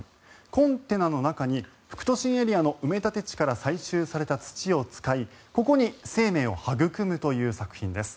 コンテナの中に副都心エリアの埋め立て地から採集された土を使いここに生命を育むという作品です。